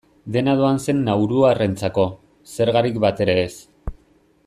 Dena doan zen nauruarrentzako, zergarik batere ez.